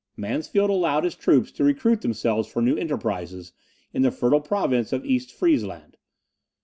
Mansfeld allowed his troops to recruit themselves for new enterprises in the fertile province of East Friezeland.